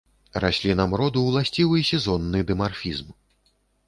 Раслінам роду ўласцівы сезонны дымарфізм.